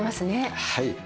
はい。